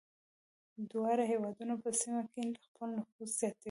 دواړه هېوادونه په سیمه کې خپل نفوذ زیاتوي.